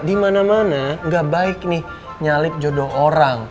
di mana mana gak baik nih nyalip jodoh orang